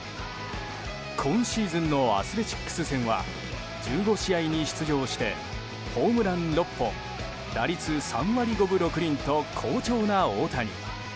今シーズンのアスレチックス戦は１５試合に出場してホームラン６本打率、３割５分６厘と好調な大谷。